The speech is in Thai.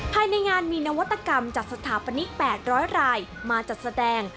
ภายในงานมีนวัตกรรมจากสถาปนิก๘๐๐รายมาจัดแสดง